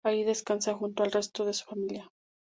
Allí descansa junto al resto de su familia.